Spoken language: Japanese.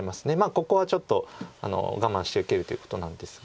ここはちょっと我慢して受けるということなんですが。